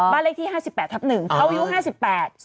บ้านเลขที่๕๘ทับ๑เขาอายุ๕๘